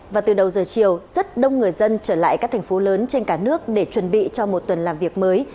và từ đầu giờ chiều rất đông người dân trở lại các thành phố lớn trên cả nước để chuẩn bị cho một tuần làm việc mới